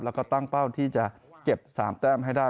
แล้วก็ตั้งเป้าที่จะเก็บ๓แต้มให้ได้